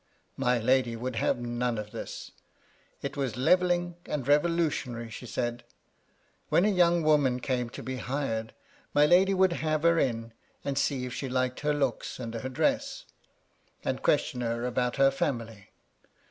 My lady would have none of this ; it was levelling and revolutionary, she said. When a young woman came to be hired, my lady would have her in, and see if she liked her looks and her dress, and question her about her family.